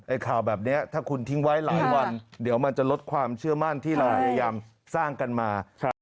ข่าวแบบนี้ถ้าคุณทิ้งไว้หลายวันเดี๋ยวมันจะลดความเชื่อมั่นที่เราพยายามสร้างกันมา